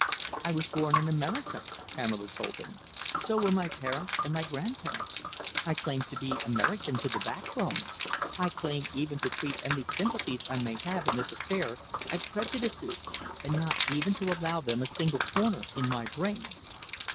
"I was born in America," Pamela told him; "so were my parents and my grandparents. I claim to be American to the backbone. I claim even to treat any sympathies I might have in this affair as prejudices, and not even to allow them a single corner in my brain."